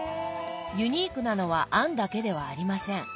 ユニークなのは餡だけではありません。